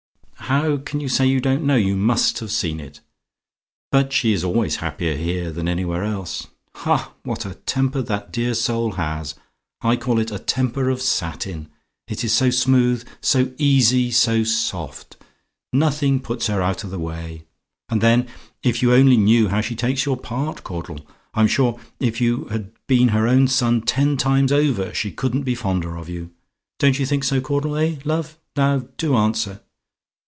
"How can you say you don't know? You must have seen it. But she is always happier here than anywhere else. Ha! what a temper that dear soul has! I call it a temper of satin; it is so smooth, so easy, and so soft. Nothing puts her out of the way. And then, if you only knew how she takes your part, Caudle! I'm sure, if you had been her own son ten times over, she couldn't be fonder of you. Don't you think so, Caudle? Eh, love? Now, do answer.